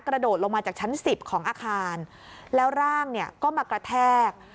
กระโดดลงมาจากชั้นสิบของอาคารแล้วร่างเนี่ยก็มากระแทก